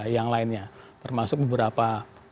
yang lainnya termasuk beberapa